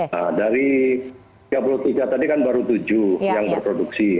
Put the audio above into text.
nah dari tiga puluh tiga tadi kan baru tujuh yang berproduksi